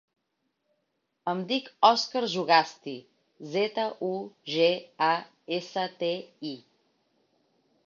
Em dic Òscar Zugasti: zeta, u, ge, a, essa, te, i.